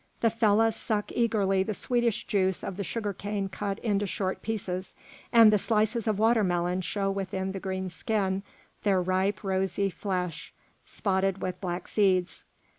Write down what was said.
The fellahs suck eagerly the sweetish juice of the sugar cane cut into short pieces, and the slices of watermelon show within the green skin their ripe, rosy, flesh, spotted with black seeds.